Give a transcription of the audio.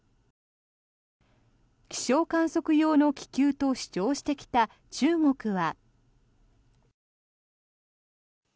気象観測用の気球と主張してきた中国は。